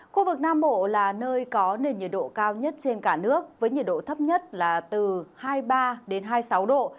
khu vực nam bộ là nơi có nền nhiệt độ cao nhất trên cả nước với nhiệt độ thấp nhất là từ hai mươi ba hai mươi sáu độ